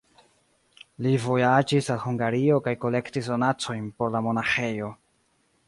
Li vojaĝis al Hungario kaj kolektis donacojn por la monaĥejo.